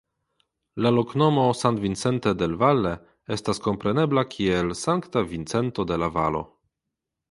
La loknomo "San Vicente del Valle" estas komprenbebla kiel "Sankta Vincento de la Valo".